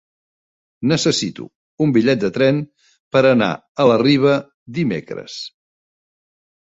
Necessito un bitllet de tren per anar a la Riba dimecres.